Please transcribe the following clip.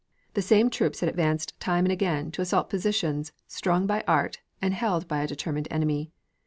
The same troops had advanced time and again to assault positions strong by art and held by a determined enemy.